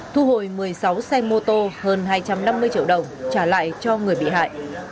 thu hồi một mươi sáu xe mô tô hơn hai trăm năm mươi triệu đồng trả lại cho người bị hại